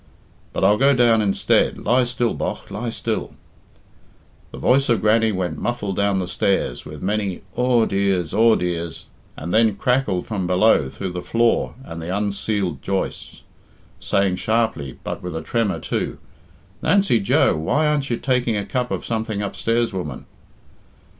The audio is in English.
But I'll go down instead. Lie still, bogh, lie still!" The voice of Grannie went muffled down the stairs with many "Aw dears, aw dears!" and then crackled from below through the floor and the unceiled joists, saying sharply but with a tremor, too, "Nancy Joe, why aren't you taking a cup of something upstairs, woman?"